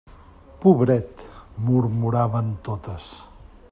Pobret! –murmuraven totes.